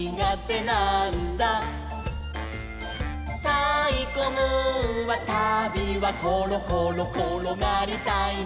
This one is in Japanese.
「たいこムーンはたびはころころころがりたいのさ」